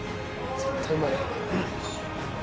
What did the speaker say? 絶対うまい。